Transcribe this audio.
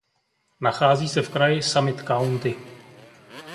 Nachází se v kraji Summit County.